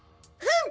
フン！